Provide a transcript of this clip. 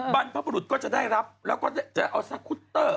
บรรพบุรุษก็จะได้รับแล้วก็จะเอาสคุตเตอร์